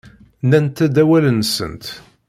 Nnant-d awal-nsent.